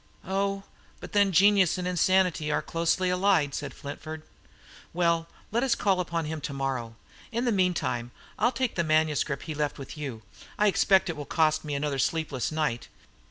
"Oh, but then genius and insanity are closely allied," said Flintford. "Well, let us call upon him to morrow. In the meantime I'll take the manuscript he left with you. I expect it will cost me another sleepless night.